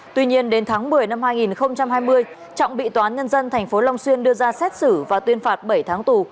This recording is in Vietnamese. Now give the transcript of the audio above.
tuy nhiên đến tháng một mươi năm hai nghìn hai mươi trọng bị toán nhân dân tp long xuyên đưa ra xét xử và tuyên phạt bảy tháng tù